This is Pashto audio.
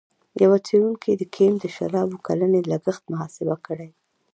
یوه څېړونکي د کیم د شرابو کلنی لګښت محاسبه کړی.